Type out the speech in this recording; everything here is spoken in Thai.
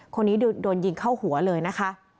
คนนี้โดนยิงเข้าหัวเลยนะคะ